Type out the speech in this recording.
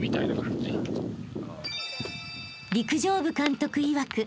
［陸上部監督いわく］